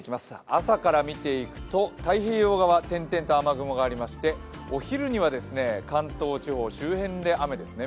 朝から見ていくと太平洋側、点々と雨雲がありまして、お昼には関東地方周辺で雨ですね。